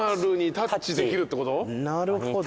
なるほど。